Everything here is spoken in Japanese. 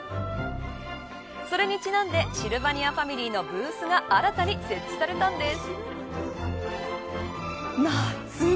それにちなんでシルバニアファミリーのブースが新たに設置されたんです。